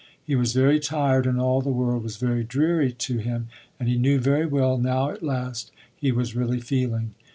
He was very tired and all the world was very dreary to him, and he knew very well now at last, he was really feeling.